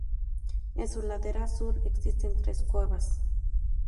En su ladera sur existen tres cuevas.